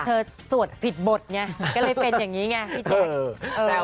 สวดผิดบทไงก็เลยเป็นอย่างนี้ไงพี่แจ๊ค